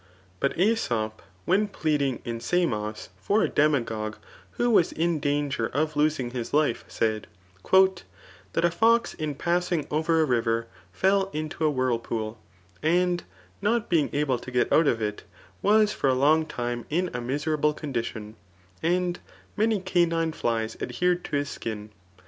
But Slsop, when pleading in Samos for a dwnagogue who was in danger of losing his life, said, '^ That a fox in passing over a river fell into a whirlpool, and not being able to get out of it, was for a long time in a miserable condition, and many canine flies adhered to his skin.